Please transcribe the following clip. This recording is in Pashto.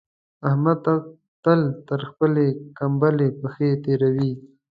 احمد تل تر خپلې کمبلې پښې تېروي.